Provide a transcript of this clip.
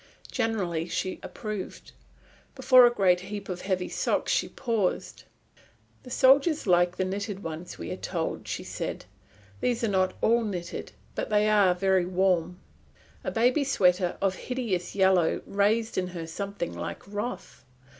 Generally she approved. Before a great heap of heavy socks she paused. "The soldiers like the knitted ones, we are told," she said. "These are not all knitted but they are very warm." A baby sweater of a hideous yellow roused in her something like wrath.